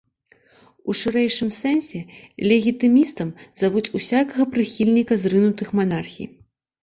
У шырэйшым сэнсе легітымістам завуць усякага прыхільніка зрынутых манархій.